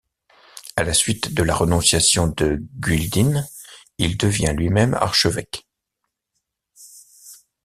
A la suite de la renonciation de Gilduin, il devient lui-même archevêque.